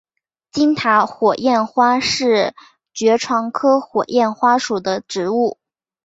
金塔火焰花是爵床科火焰花属的植物。